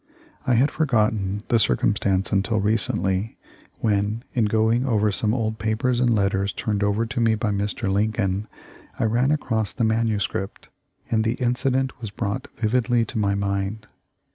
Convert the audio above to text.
I had for gotten the circumstance until recently, when, in going over some old papers and letters turned over to me by Mr. Lincoln, I ran across the manuscript, and the incident was brought vividly to my mind.